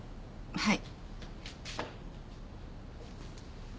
はい。